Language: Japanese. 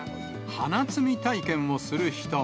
花摘み体験をする人も。